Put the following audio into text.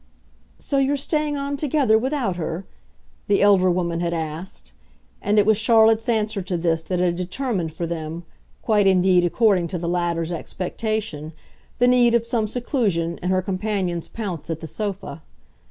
"So you're staying on together without her?" the elder woman had asked; and it was Charlotte's answer to this that had determined for them, quite indeed according to the latter's expectation, the need of some seclusion and her companion's pounce at the sofa.